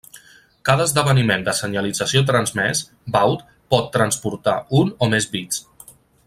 Cada esdeveniment de senyalització transmès, baud, pot transportar un o més bits.